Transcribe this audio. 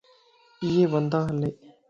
اھي وندا ھلي